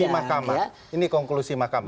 bukan ini konklusi mahkamah